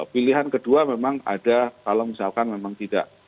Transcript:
pilihan kedua memang ada kalau misalkan memang tidak